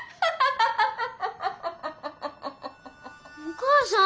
お母さん？